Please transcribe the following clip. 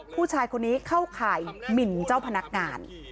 ผู้ชายคนนี้เข้าข่ายหมินเจ้าพนักงาน